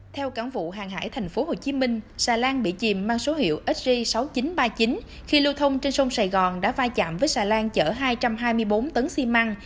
theo cán vụ hàng hải tp hcm xà lan bị chìm mang số hiệu sg sáu nghìn chín trăm ba mươi chín khi lưu thông trên sông sài gòn đã va chạm với xà lan chở hai trăm hai mươi bốn tấn xi măng